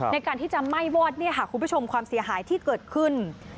ในการที่จะไหม้วอดเนี่ยค่ะคุณผู้ชมความเสียหายที่เกิดขึ้น